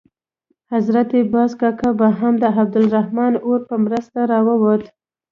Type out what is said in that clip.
حضرت باز کاکا به هم د عبدالرحمن اور په مرسته راووت.